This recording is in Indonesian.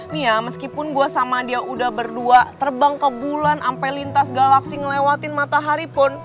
nih ya meskipun gue sama dia udah berdua terbang ke bulan sampai lintas galaksi ngelewatin matahari pun